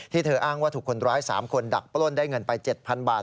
เธออ้างว่าถูกคนร้าย๓คนดักปล้นได้เงินไป๗๐๐บาท